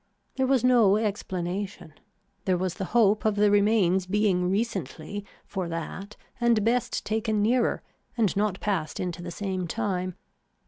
There was no explanation. There was the hope of the remains being recently for that and best taken nearer and not passed into the same time.